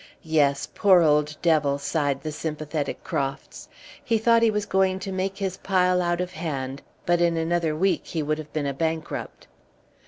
Yes, poor old devil!" sighed the sympathetic Crofts: "he thought he was going to make his pile out of hand, but in another week he would have been a bankrupt."